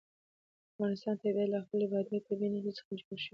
د افغانستان طبیعت له خپلې بادي او طبیعي انرژي څخه جوړ شوی دی.